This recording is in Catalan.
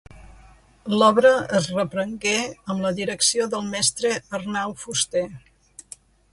L'obra es reprengué amb la direcció del mestre Arnau Fuster.